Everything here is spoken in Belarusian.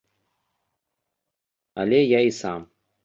Але я і сам.